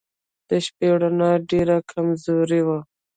د شپې رڼا ډېره کمزورې وه.